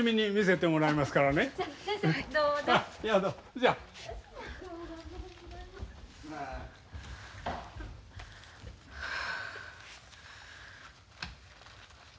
じゃあ。はあ。